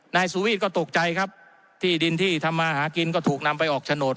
นายสุวีทก็ตกใจครับที่ดินที่ทำมาหากินก็ถูกนำไปออกโฉนด